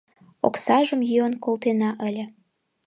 Оксажым йӱын колтена ыле.